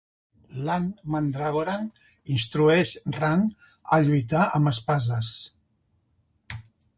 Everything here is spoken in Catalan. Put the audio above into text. Lan Mandragoran instrueix Rand a lluitar amb espases.